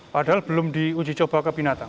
padahal belum diuji coba ke binatang